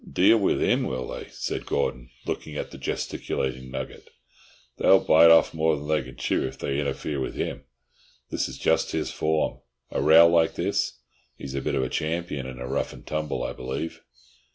"Deal with him, will they?" said Gordon, looking at the gesticulating Nugget. "They'll bite off more than they can chew if they interfere with him. This is just his form, a row like this. He's a bit of a champion in a rough and tumble, I believe."